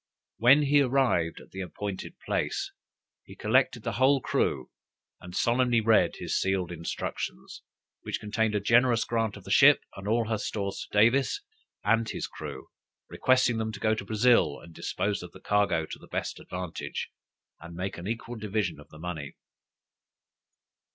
When he arrived in the appointed place, he collected the whole crew, and solemnly read his sealed instructions, which contained a generous grant of the ship and all her stores to Davis and his crew, requesting them to go to Brazil, and dispose of the cargo to the best advantage, and make an equal division of the money.